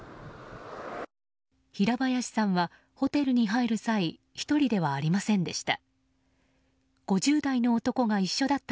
平林さんはホテルに入る際１人ではありませんでした。